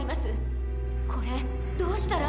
これどうしたら？